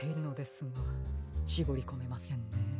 しぼりこめませんね。